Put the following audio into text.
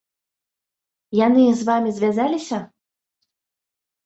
Яны з вамі звязваліся?